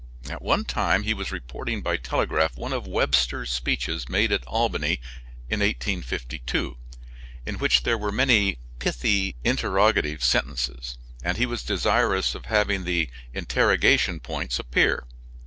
At one time he was reporting by telegraph one of Webster's speeches made at Albany in 1852 in which there were many pithy interrogative sentences, and he was desirous of having the interrogation points appear.